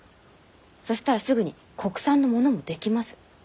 そしたらすぐに国産のものも出来ます。